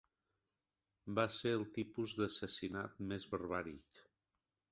Va ser el tipus d'assassinat més barbàric.